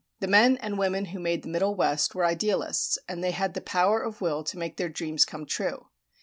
The men and women who made the Middle West were idealists, and they had the power of will to make their dreams come true.